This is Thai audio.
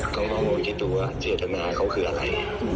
ต้องมองวิธีตัวเจตนาเขาคืออะไร